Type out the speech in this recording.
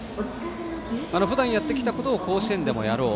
ふだんやってきたことを甲子園でもやろう。